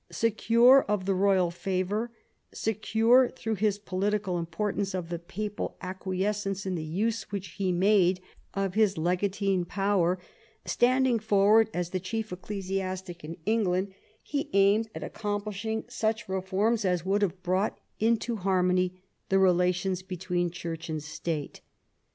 Secure of the royal favour, secure through his political importance of the papal acquiescence in the use which he made of his legatine power, standing forward as the chief ecclesiastic in England, he aimed at accom plishing such reforms as would have brought into har mony the relations between Church and State.